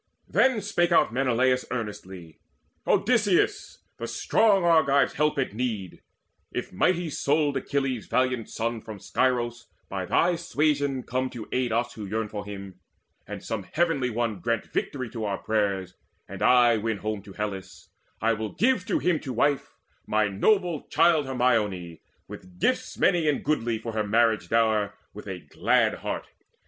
Then out spake Menelaus earnestly: "Odysseus, the strong Argives' help at need, If mighty souled Achilles' valiant son From Scyros by thy suasion come to aid Us who yearn for him, and some Heavenly One Grant victory to our prayers, and I win home To Hellas, I will give to him to wife My noble child Hermione, with gifts Many and goodly for her marriage dower With a glad heart.